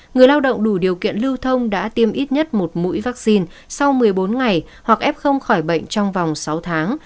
người lao động đủ điều kiện lưu thông đã tiêm ít nhất một mũi vaccine sau một mươi bốn ngày hoặc f khỏi bệnh trong vòng sáu tháng